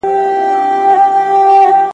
تاسو باید په خپل کار کي ثابت قدم اوسئ.